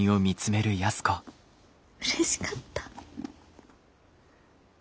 うれしかった。